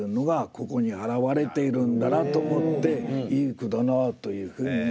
ここに表れているんだなと思っていい句だなというふうに思いました。